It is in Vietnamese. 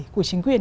của chính quyền